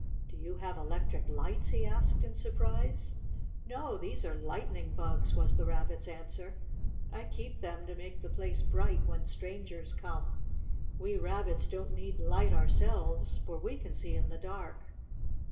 "Do you have electric lights?" he asked in surprise. "No. These are lightning bugs," was the Rabbit's answer. "I keep them to make the place bright when strangers come. We Rabbits don't need light ourselves, for we can see in the dark."